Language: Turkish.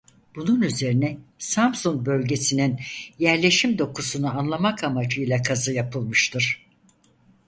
Bunun üzerine Samsun bölgesinin yerleşim dokusunu anlamak amacıyla kazı yapılmıştır.